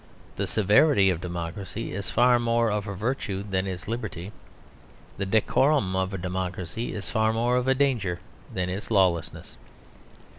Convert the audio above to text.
The severity of democracy is far more of a virtue than its liberty. The decorum of a democracy is far more of a danger than its lawlessness.